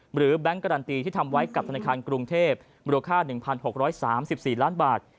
แบงค์การันตีที่ทำไว้กับธนาคารกรุงเทพมูลค่า๑๖๓๔ล้านบาท